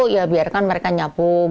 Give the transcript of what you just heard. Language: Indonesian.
ya biarkan mereka nyapu